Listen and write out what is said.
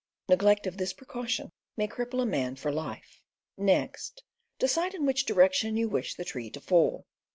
Neg lect of this precaution may cripple a man for life. Next decide in which direction you wish the tree to fall.